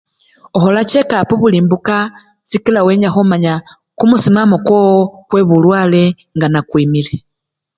Okhola chekapu buli mbuka sikila wenya khumanya kumusimamo kwowo kwebulwale nga nekwimile.